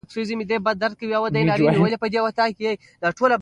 د اوغان او اوغانیانو په باره کې لږ څېړنې شوې.